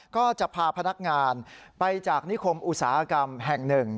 ก็จะพาพนักงานไปจากนิคมอุตสาหกรรมแห่งหนึ่ง